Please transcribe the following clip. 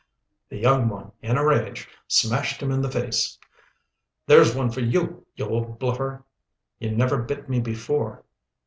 The young one in a rage, smashed him in the face. "There's one for you, you old bluffer. You never bit me before.